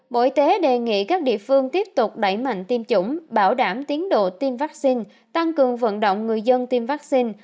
bộ y tế đề nghị các địa phương tiếp tục đẩy mạnh tiêm chủng bảo đảm tiến độ tiêm vaccine tăng cường vận động người dân tiêm vaccine